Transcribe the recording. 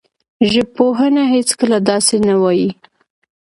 ژبپوهنه هېڅکله داسې نه وايي